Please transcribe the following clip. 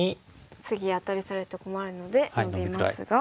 次アタリされると困るのでノビますが。